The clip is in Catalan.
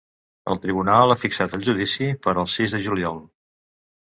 El tribunal ha fixat el judici per al sis de juliol.